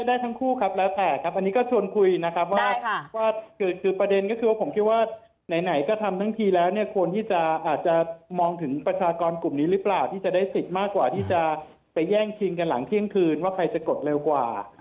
ได้ทั้งคู่ครับแล้วแต่ครับอันนี้ก็ชวนคุยนะครับว่าคือประเด็นก็คือว่าผมคิดว่าไหนก็ทำทั้งทีแล้วเนี่ยควรที่จะอาจจะมองถึงประชากรกลุ่มนี้หรือเปล่าที่จะได้สิทธิ์มากกว่าที่จะไปแย่งชิงกันหลังเที่ยงคืนว่าใครจะกดเร็วกว่า